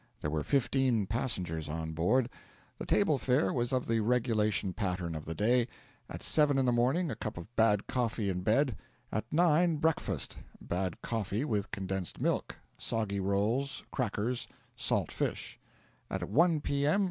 There were fifteen passengers on board. The table fare was of the regulation pattern of the day: At 7 in the morning, a cup of bad coffee in bed; at 9, breakfast: bad coffee, with condensed milk; soggy rolls, crackers, salt fish; at 1 P.M.